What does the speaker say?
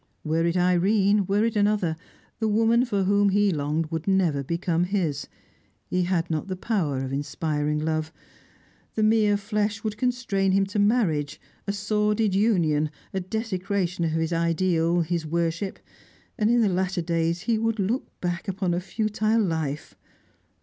Were it Irene, were it another, the woman for whom he longed would never become his. He had not the power of inspiring love. The mere flesh would constrain him to marriage, a sordid union, a desecration of his ideal, his worship; and in the latter days he would look back upon a futile life.